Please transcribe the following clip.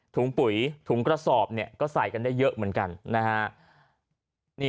ถุงปุ๋ยถุงกระสอบก็ใส่กันได้เยอะเหมือนกันนะฮะ